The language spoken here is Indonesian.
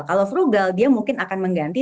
kalau frugal dia mungkin akan mengganti